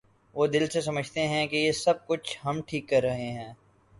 وہ دل سے سمجھتے ہیں کہ یہ سب کچھ ہم ٹھیک کر رہے ہیں۔